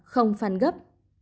không phanh gấp